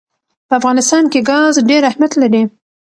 په افغانستان کې ګاز ډېر اهمیت لري.